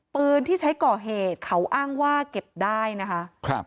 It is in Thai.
ปืนที่ใช้ก่อเหตุเขาอ้างว่าเก็บได้นะคะ